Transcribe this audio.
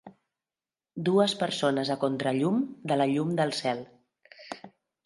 Dues persones a contrallum de la llum del cel.